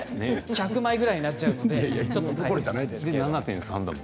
１００枚ぐらいになっちゃうのでちょっと大変ですけど。